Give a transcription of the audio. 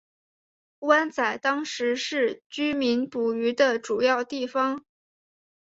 湾仔当时是居民捕鱼的主要地方。